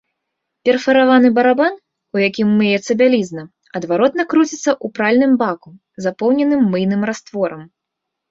Перфараваны барабан, у якім мыецца бялізна, адваротна круціцца ў пральным баку, запоўненым мыйным растворам.